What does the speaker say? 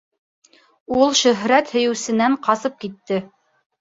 Ул шөһрәт һөйөүсенән ҡасып китте.